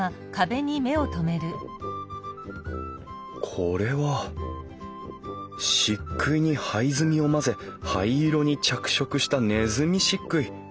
これは漆喰に灰墨を混ぜ灰色に着色したねずみ漆喰。